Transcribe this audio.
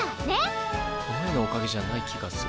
この絵のおかげじゃない気がするけど。